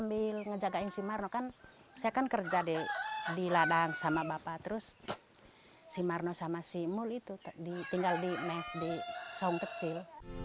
masih mul itu tinggal di mes di saung kecil